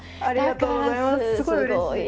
ありがとうございます。